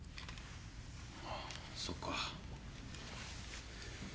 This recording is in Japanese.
ああそうか。